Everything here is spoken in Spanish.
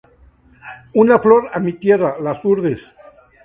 Una flor a mi tierra: "Las Hurdes".